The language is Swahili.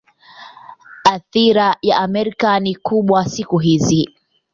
Athira ya Amerika ni kubwa siku hizi.